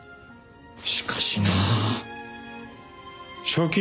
しかしなあ正気？